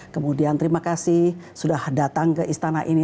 kemudian terima kasih sudah datang ke istana ini